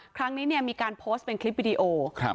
ครั้งนี้เนี่ยมีการโพสต์เป็นคลิปวิดีโอ